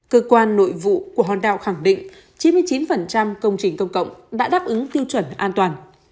cơ quan nội vụ của hòn đảo khẳng định chín mươi chín công trình công cộng đã đáp ứng tiêu chuẩn an toàn